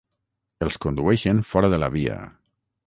Els condueixen fora de la via.